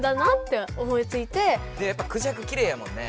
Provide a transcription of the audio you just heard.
やっぱクジャクきれいやもんね。